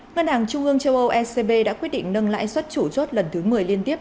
ngân hàng trung ương châu âu ecb đã quyết định nâng lãi suất chủ chốt lần thứ một mươi liên tiếp